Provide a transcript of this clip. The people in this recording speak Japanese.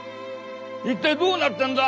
一体どうなってんだ！？